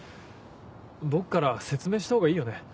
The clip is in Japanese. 僕から説明したほうがいいよね